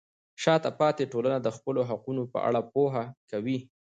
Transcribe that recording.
شاته پاتې ټولنه د خپلو حقونو په اړه پوهه کوي.